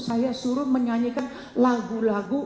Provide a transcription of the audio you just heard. saya suruh menyanyikan lagu lagu